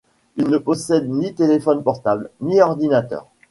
Il ne possède ni téléphone portable, ni ordinateur.